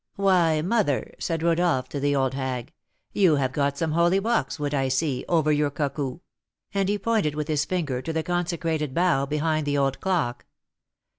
"Why, mother," said Rodolph to the old hag, "you have got some holy boxwood, I see, over your cuckoo," and he pointed with his finger to the consecrated bough behind the old clock.